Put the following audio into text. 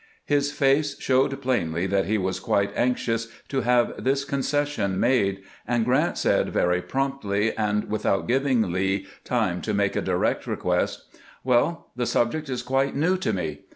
His face showed plainly that he was quite anxious to have this concession made ; and Grant said very promptly, and without giving Lee time to make a direct request :" WeU, the subject is quite new to me.